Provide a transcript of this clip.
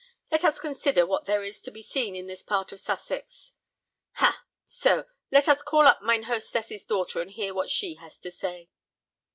Let us consider what there is to be seen in this part of Sussex. Ha, so—let us call up mine hostess's daughter and hear what she has to say."